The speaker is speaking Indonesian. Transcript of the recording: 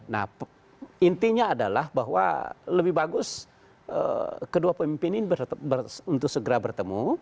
nah intinya adalah bahwa lebih bagus kedua pemimpin ini untuk segera bertemu